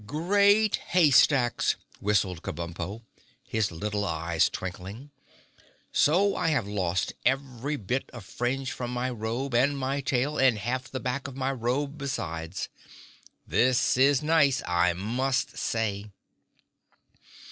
"Great hay stacks!" whistled Kabumpo, his little eyes twinkling. "So I have lost every bit of fringe from my robe and my tail and half the back of my robe besides. This is nice, I must say."